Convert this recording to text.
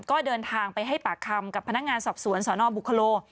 ก็เดินทางไปให้ปากคำกับพนักงานสอบสวนสนบุคโล